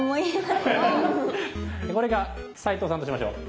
これが齋藤さんとしましょう。